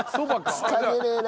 つかめねえな。